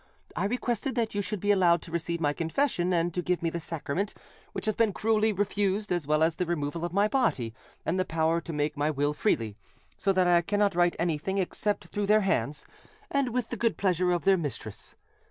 I requested that you should be allowed to receive my confession and to give me the sacrament, which has been cruelly refused, as well as the removal of my body, and the power to make my will freely; so that I cannot write anything except through their hands, and with the good pleasure of their mistress.